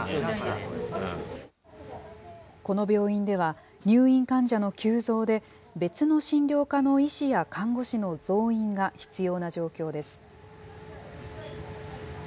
この病院では、入院患者の急増で、別の診療科の医師や看護師の増員が必要な状況です。